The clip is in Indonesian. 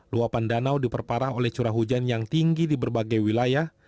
luapan danau diperparah oleh curah hujan yang tinggi di berbagai wilayah